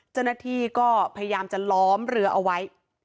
เจ้าหน้าที่ก็พยายามจะล้อมเรือเอาไว้